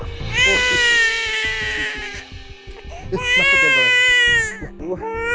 eh masukin dulu